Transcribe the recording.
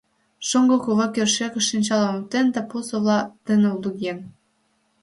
Шоҥго кува кӧршӧкыш шинчалым оптен да пу совла дене луген.